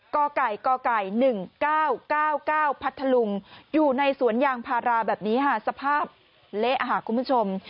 กก๑๙๙๙พัทธลุงอยู่ในสวนยางพาราแบบนี้สภาพเละอาหารคุณผู้ชม